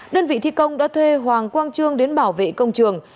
đơn vị thi công đã thuê hoàng quang trương đến bảo vệ công trường